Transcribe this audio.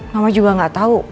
mama juga nggak tahu